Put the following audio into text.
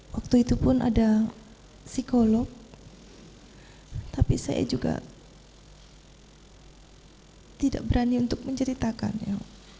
waktu itu pun ada psikolog tapi saya juga tidak berani untuk menceritakannya